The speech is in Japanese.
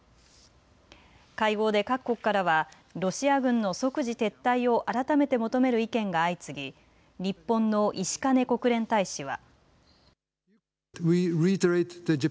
会合で各国からはロシア軍の即時撤退を改めて求める意見が相次ぎ日本の石兼国連大使は。